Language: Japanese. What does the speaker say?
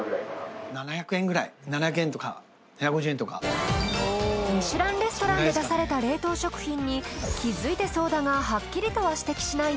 ニトリミシュランレストランで出された冷凍食品に気づいてそうだがはっきりとは指摘しない